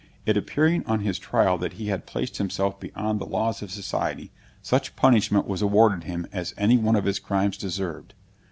It appearing on his trial that he had placed himself beyond the laws of society, such punishment was awarded him as any one of his crimes deserved.